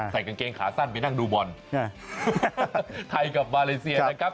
กางเกงขาสั้นไปนั่งดูบอลไทยกับมาเลเซียนะครับ